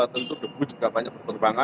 tentu debu juga banyak bertentangan